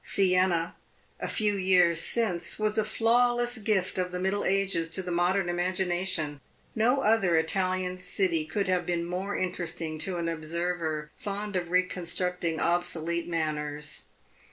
Siena, a few years since, was a flawless gift of the Middle Ages to the modern imagination. No other Italian city could have been more interesting to an observer fond of reconstructing obsolete manners.